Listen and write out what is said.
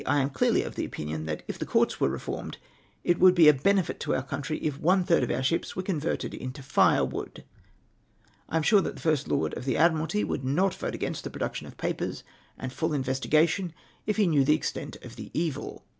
am clearly of opinion, that if the courts were reformed, it would be a l)enefit to our country if one third of our ships were converted into tire wood. I am sure that the First Lord of the Admiralty would not vote against the production of papers and full investigation, if he knew the extent of the evil.